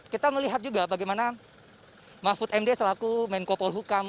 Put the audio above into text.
kita melihat juga bagaimana mahfud md selaku menko polhukam